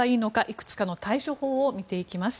いくつかの対処法を見ていきます。